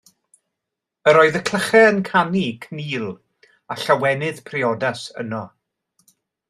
Yr oedd y clychau yn canu cnul, a llawenydd priodas yno.